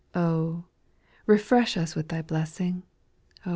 Oh I refresh us vrith Thy blessing, &c.